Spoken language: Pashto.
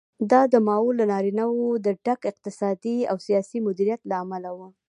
دا د ماوو له ناورینه د ډک اقتصادي او سیاسي مدیریت له امله و.